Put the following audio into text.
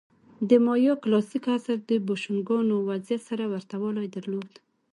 د مایا کلاسیک عصر د بوشونګانو وضعیت سره ورته والی درلود